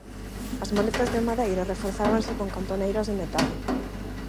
As maletas de madeira reforzábanse con cantoneiras de metal.